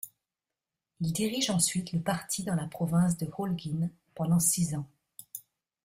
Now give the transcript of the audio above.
Il dirige ensuite le parti dans la province de Holguín pendant six ans.